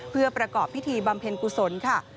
เพื่อประกอบพิธีบำเพ็ญกุศลค่ะ